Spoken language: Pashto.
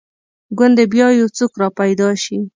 ګوندې بیا یو څوک را پیدا شي.